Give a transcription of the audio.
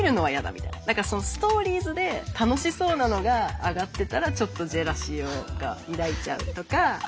何かストーリーズで楽しそうなのがあがってたらちょっとジェラシーを抱いちゃうとか。